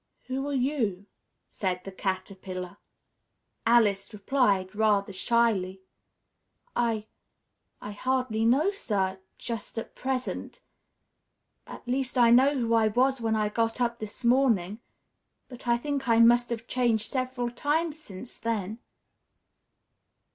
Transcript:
"Who are you?" said the Caterpillar. Alice replied, rather shyly, "I I hardly know, sir, just at present at least I know who I was when I got up this morning, but I think I must have changed several times since then."